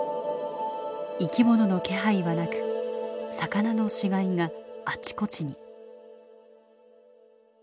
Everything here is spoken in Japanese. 生き物の気配はなく魚の死骸があちこちに。